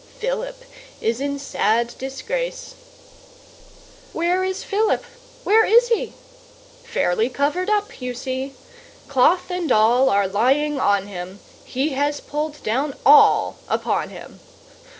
Philip is in sad disgrace. Where is Philip, where is he? Fairly covered up you see! Cloth and all are lying on him; He has pulled down all upon him.